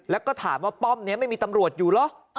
แล้วก็ถามว่าป้อมนี้ไม่มีตำรวจอยู่เหรอ